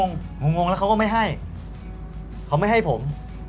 งงงแล้วเขาก็ไม่ให้เขาไม่ให้ผม